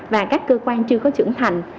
và các cơ quan chưa có trưởng thành